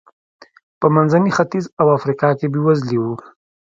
په منځني ختیځ او افریقا کې بېوزلي و.